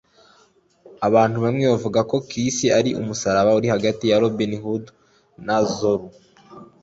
Abantu bamwe bavuga ko Chris ari umusaraba uri hagati ya Robin Hood na Zorro